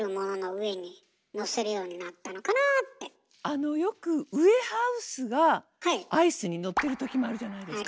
あのよくウエハースがアイスにのってる時もあるじゃないですか。